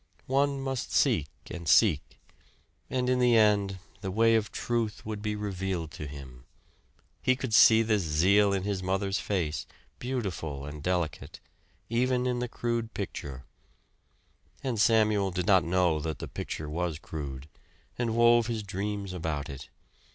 One must seek and seek; and in the end the way of truth would be revealed to him. He could see this zeal in his mother's face, beautiful and delicate, even in the crude picture; and Samuel did not know that the picture was crude, and wove his dreams about it.